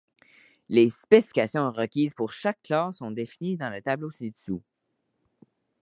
Les spécifications requises pour chaque classe sont définies dans le tableau ci-dessous.